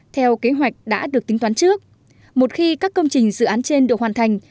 theo kế hoạch đã được tính toán trước một khi các công trình dự án trên được hoàn thành